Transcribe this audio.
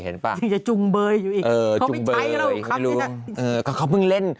เห็นป่ะยังจะจุงเบยอยู่อีกเออจุงเบยไม่รู้เออเขาเพิ่งเล่น